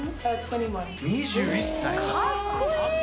２１歳？